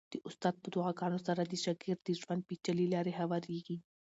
د استاد په دعاګانو سره د شاګرد د ژوند پېچلې لارې هوارېږي.